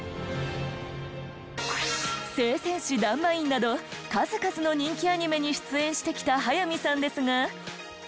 『聖戦士ダンバイン』など数々の人気アニメに出演してきた速水さんですが。